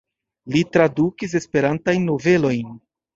Li tradukis Esperantajn novelojn.